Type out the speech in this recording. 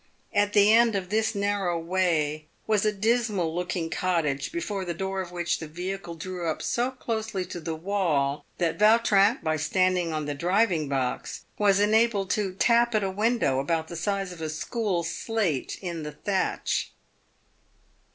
At the end of this narrow way was a dismal looking cottage, before the door of which the vehicle drew up so closely to the wall that Yautrin, by standing on the driving box, was enabled to tap at a window, about the size of a school slate, in the thatch.